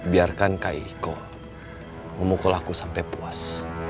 biarkan kak iko memukul aku sampai puas